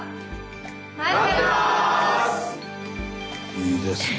いいですね。